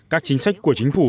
các chính sách của chính phủ